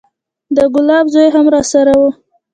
د ګلاب زوى هم راسره و.